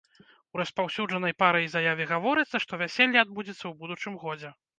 У распаўсюджанай парай заяве гаворыцца, што вяселле адбудзецца ў будучым годзе.